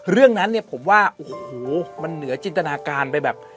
เรื่องนั้นเนี่ยผมว่าโอ้โหมันเหนือจินตนาการไปแบบ